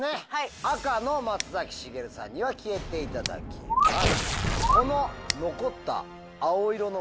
赤の松崎しげるさんには消えていただきます。